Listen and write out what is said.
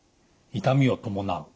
痛みを伴う。